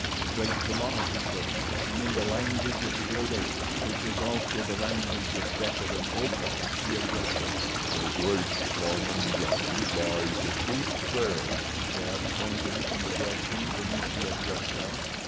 Straight to La he came and in the language of the great apes which was also the language of decadent Opar he addressed her. "The great Tarmangani lies asleep there," he said, pointing in the direction from which he had just come.